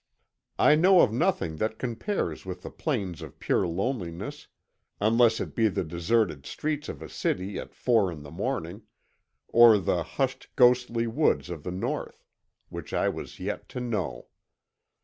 I know of nothing that compares with the plains for pure loneliness, unless it be the deserted streets of a city at four in the morning—or the hushed, ghostly woods of the North, which I was yet to know.